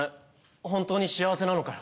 本当に幸せなのかよ。